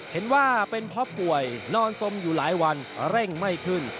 เห็นว่าเป็นเพราะป่วยนอนสมอยู่หลายวันเร่งไม่ขึ้น